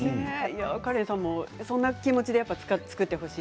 カレンさんもそんな気持ちで作ってほしい。